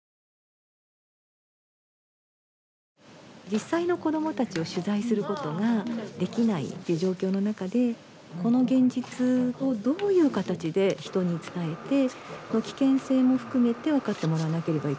実際の子どもたちを取材することができないっていう状況の中でこの現実をどういう形で人に伝えて危険性も含めて分かってもらわなければいけないのか。